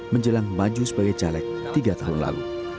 menjelang maju sebagai caleg tiga tahun lalu